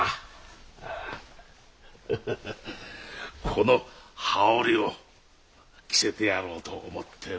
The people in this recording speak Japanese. この羽織を着せてやろうと思ってね。